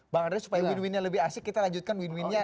bang andres supaya win winnya lebih asik kita lanjutkan win winnya